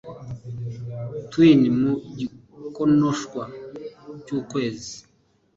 twine mu gikonoshwa cy'ukwezi